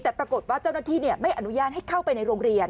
แต่ปรากฏว่าเจ้าหน้าที่ไม่อนุญาตให้เข้าไปในโรงเรียน